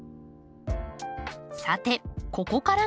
さてここからが本題。